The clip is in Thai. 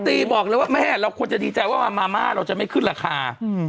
ตีบอกเลยว่าแม่เราควรจะดีใจว่ามาม่าเราจะไม่ขึ้นราคา